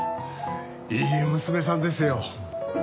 いい娘さんですよ。